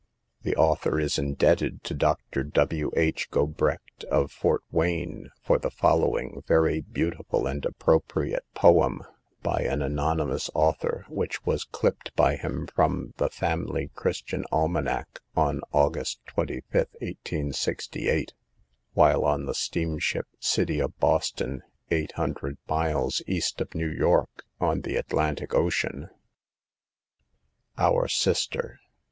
The author is indebted to Dr. W. H. Go brecht, of Fort Wayne, for the following very beautiful and appropriate poem, by an anony mous author, which was clipped by him from the "Family Christian Almanac/' on Aug. 25, 1868, while on the steamship " City of Boston, n 800 miles east of New York, on the Atlantic Ocean : OUR SISTER.